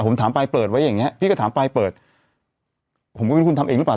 ผมถามไปเปิดไว้อย่างเงี้พี่ก็ถามไปเปิดผมก็ไม่รู้คุณทำเองหรือเปล่า